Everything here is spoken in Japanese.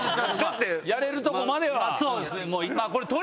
やれるとこまでは。